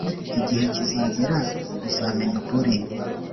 igihe kizagera uzamenya ukuri.